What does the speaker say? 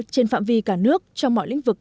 trên phạm vi cả nước trong mọi lĩnh vực